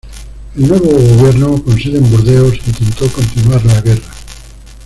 El nuevo gobierno, con sede en Burdeos, intentó continuar la guerra.